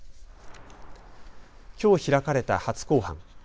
きょう開かれた初公判。